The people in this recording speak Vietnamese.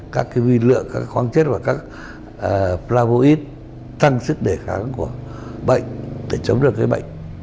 các khoáng chất và các flavoid tăng sức đề kháng của bệnh để chống được cái bệnh